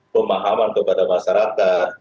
pemahaman kepada masyarakat